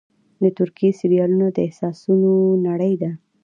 د ترکیې سریالونه د احساسونو نړۍ ده.